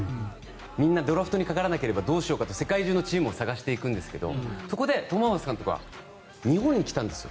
みんなドラフトにかからなければどうしようかと世界中のチームを探していくんですけどそこでトム・ホーバス監督は日本に来たんですよ。